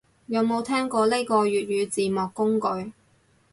有冇聽過呢個粵語字幕工具